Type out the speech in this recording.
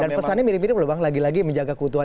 dan pesannya mirip mirip loh bang lagi lagi menjaga kebencian